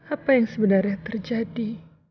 apa yang sebenarnya terjadi